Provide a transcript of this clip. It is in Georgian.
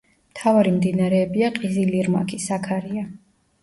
მთავარი მდინარეებია ყიზილ-ირმაქი, საქარია.